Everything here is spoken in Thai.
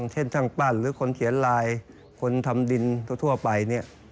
เช่นช่างปั้นหรือคนเขียนลายคนทำดินทั่วไปเนี่ย